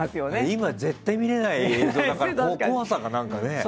今、絶対見れない映像だから怖さが何かね。